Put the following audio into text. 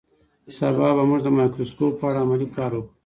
سبا به موږ د مایکروسکوپ په اړه عملي کار وکړو